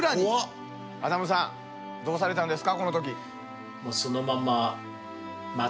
さあアダムさん誰が現れたんですか？